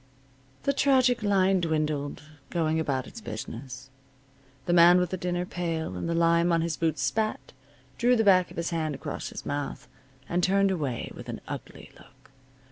The tragic line dwindled, going about its business. The man with the dinner pail and the lime on his boots spat, drew the back of his hand across his mouth, and turned away with an ugly look.